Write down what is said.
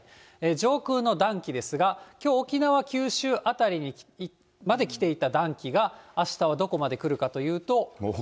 上空の暖気ですが、きょう、沖縄、九州辺りにまで来ていた暖気が、あしたはどこまで来るかというと。